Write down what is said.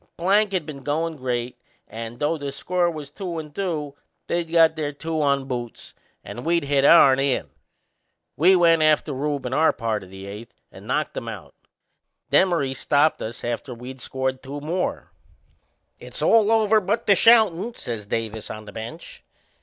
Plank had been goin' great and, though the score was two and two, they'd got their two on boots and we'd hit ourn in. We went after Rube in our part o' the eighth and knocked him out. Demaree stopped us after we'd scored two more. "It's all over but the shoutin'!" says Davis on the bench.